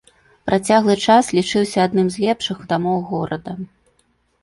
Працяглы час лічыўся адным з лепшых дамоў горада.